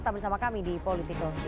tetap bersama kami di political show